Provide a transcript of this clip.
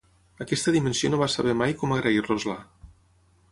Aquesta dimensió no vas saber mai com agrair-los-la.